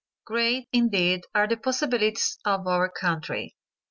Great, indeed, are the possibilities of our country.